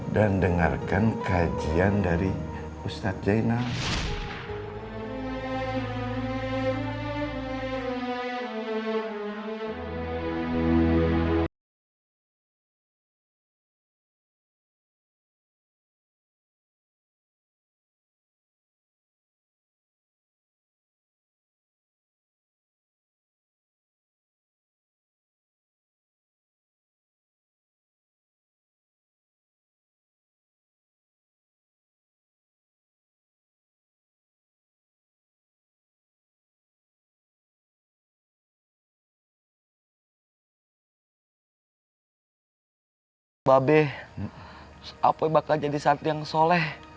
dan dengarkan kajian dari ustadz jainal